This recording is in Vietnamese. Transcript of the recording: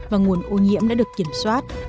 và nguồn ô nhiễm đã được kiểm soát